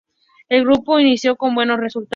El grupo inició con buenos resultados.